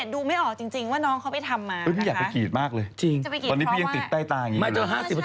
ดูไม่ออกจริงว่าน้องเขาไปทำมา